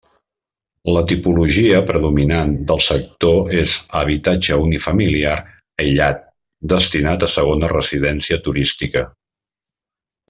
La tipologia predominant del sector és habitatge unifamiliar aïllat, destinat a segona residència turística.